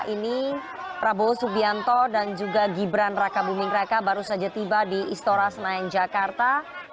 ini prabowo subianto dan juga gibran raka buming raka baru saja tiba di istora senayan jakarta